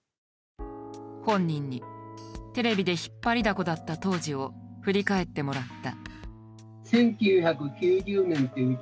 本人にテレビで引っ張りだこだった当時を振り返ってもらった。